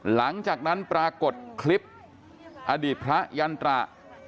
หลังจากนั้นปรากฏคลิปอดีตพระยันตระ